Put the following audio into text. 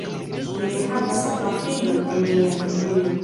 Mi ne havas pafilon en mia fridujo